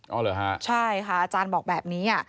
เหรอฮะใช่ค่ะอาจารย์บอกแบบนี้